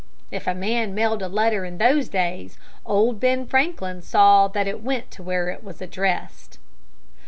If a man mailed a letter in those days, old Ben Franklin saw that it went to where it was addressed.